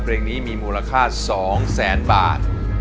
เพลงนี้มีมูลค่า๒แสนบาท